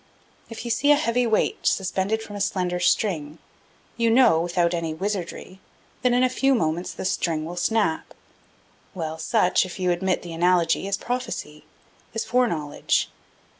If you see a heavy weight suspended from a slender string, you can know, without any wizardry, that in a few moments the string will snap; well, such, if you admit the analogy, is prophecy, is foreknowledge.